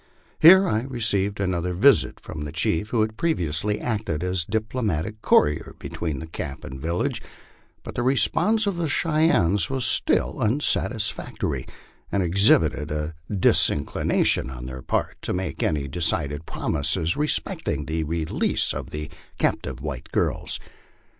Here I received another visit from the chief who had previously acted as diplomatic courier between the camp and village, but the response of the Cheyennes was still unsatisfactory, and exhibited a disinclination on their part to make any decided promises re specting the release of the captive white girls.